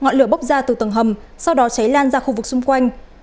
ngọn lửa bốc ra từ tầng hầm sau đó cháy lan ra khu vực xung quanh